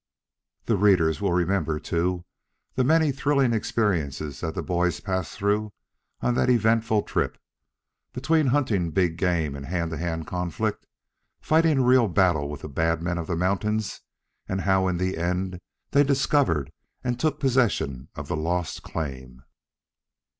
The readers will remember too, the many thrilling experiences that the boys passed through on that eventful trip, between hunting big game in hand to hand conflict, fighting a real battle with the bad men of the mountains, and how in the end they discovered and took possession of the Lost Claim.